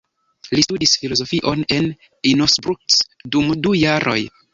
Li studis filozofion en Innsbruck dum du jaroj.